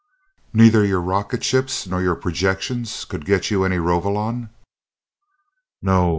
"Neither your rocket ships nor your projections could get you any Rovolon?" "No.